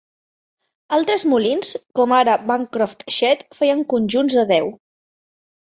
Altres molins, com ara Bancroft Shed, feien conjunts de deu.